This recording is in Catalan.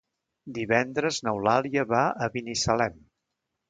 Divendres n'Eulàlia va a Binissalem.